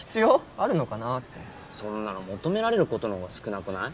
あるのかなーってそんなの求められることの方が少なくない？